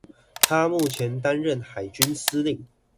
她目前擔任海軍司令